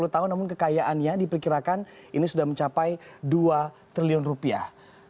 sepuluh tahun namun kekayaannya diperkirakan ini sudah mencapai dua triliun rupiah